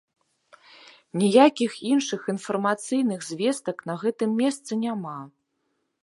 Ніякіх іншых інфармацыйных звестак на гэтым месцы няма.